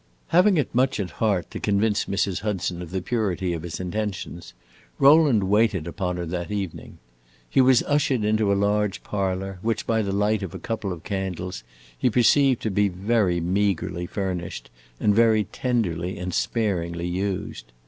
Having it much at heart to convince Mrs. Hudson of the purity of his intentions, Rowland waited upon her that evening. He was ushered into a large parlor, which, by the light of a couple of candles, he perceived to be very meagrely furnished and very tenderly and sparingly used.